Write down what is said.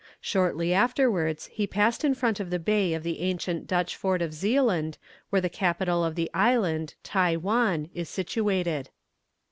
Shortly afterwards he passed in front of the bay of the ancient Dutch fort of Zealand, where the capital of the island, Tai wan, is situated.